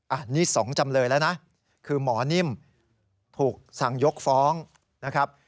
อันนี้๒จำเลยแล้วนะคือหมอนิ่มถูกสั่งยกฟ้องนะครับ